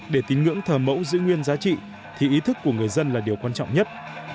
để tín ngưỡng thờ mẫu giữ nguyên giá trị thì ý thức của người dân là điều quan trọng nhất